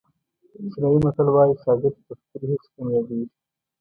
چینایي متل وایي شاګرد په خپلې هڅې کامیابېږي.